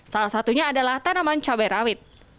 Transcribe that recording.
salah satunya adalah tanaman cabai rawit